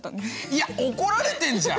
いや怒られてんじゃん！